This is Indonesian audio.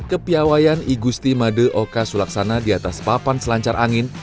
kekuatan perempuan iguzty made oka sulaksana di atas papan selancar angin